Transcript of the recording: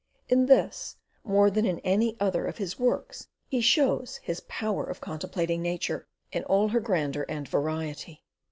In this, more than in any other of his works, he shows his power of contemplating nature in all her grandeur and variety.